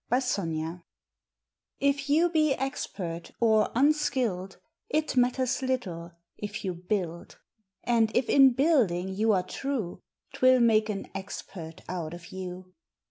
July First BUILD TF you be expert or unskilled It matters little if you Build; And if in building you are true Twill make an expert out of you.